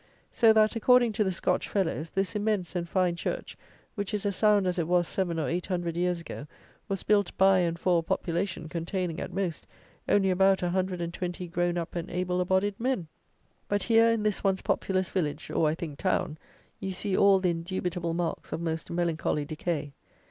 So that, according to the Scotch fellows, this immense and fine church, which is as sound as it was 7 or 800 years ago, was built by and for a population, containing, at most, only about 120 grown up and able abodied men! But here, in this once populous village, or I think town, you see all the indubitable marks of most melancholy decay.